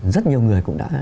rất nhiều người cũng đã